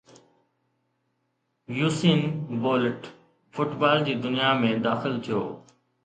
Usain Bolt football جي دنيا ۾ داخل ٿيو